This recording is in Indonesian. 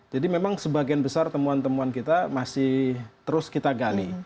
jadi memang sebagian besar temuan temuan kita masih terus kita gali